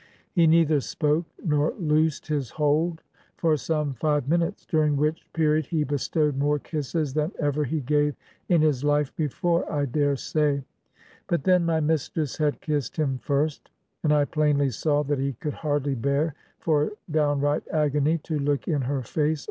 He neither spoke nor loosed his hold for some five minutes, during which period he bestowed more kisses than ever he gave in his life before, I dare say : but then my mistress had kissed him first, and I plainly saw that he could hardly bear, for downright agony, to look in her face.